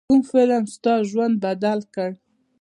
کوم فلم ستا ژوند بدل کړ.